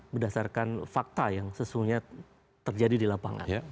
berdasarkan fakta yang sesungguhnya terjadi di lapangan